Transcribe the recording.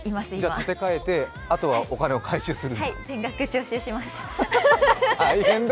立て替えて、あとはお金を徴収するんだ？